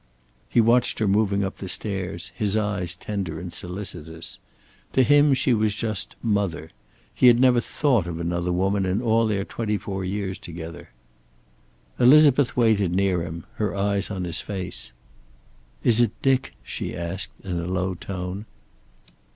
He watched her moving up the stairs, his eyes tender and solicitous. To him she was just "mother." He had never thought of another woman in all their twenty four years together. Elizabeth waited near him, her eyes on his face. "Is it Dick?" she asked in a low tone.